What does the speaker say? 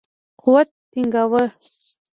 قوت ټینګاوه.